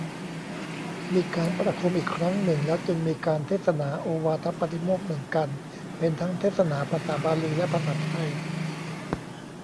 มีการประโคมอีกครั้งหนึ่งแล้วจึงมีการเทศนาโอวาทปาติโมกข์ หนึ่ง กัณฑ์ เป็นทั้งเทศนาภาษาบาลีและภาษาไทย